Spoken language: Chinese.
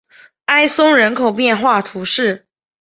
埃松人口变化图示